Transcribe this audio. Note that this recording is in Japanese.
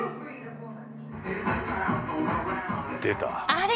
あれ？